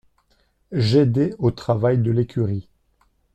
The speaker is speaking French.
J’aidais au travail de l’écurie.